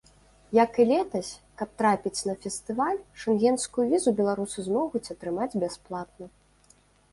Як і летась, каб трапіць на фестываль, шэнгенскую візу беларусы змогуць атрымаць бясплатна.